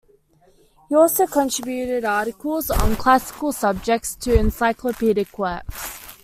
He also contributed articles on classical subjects to encyclopedic works.